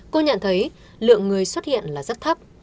cô nhận thấy lượng người xuất hiện là rất thấp